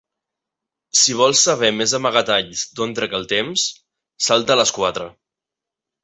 Si vols saber més amagatalls d'on trec el temps, salta a les quatre.